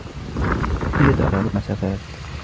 هي تأخذ مسافات.